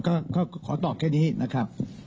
ก็ขอตอบแค่นี้นะครับ